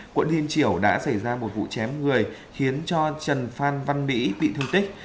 quận điên triểu đã xảy ra một vụ chém người khiến cho trần phan văn mỹ bị thương tích